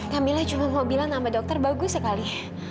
kamilah cuma mau bilang nama dokter bagus sekali